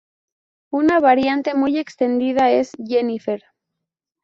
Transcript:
Una variante muy extendida es Jennifer.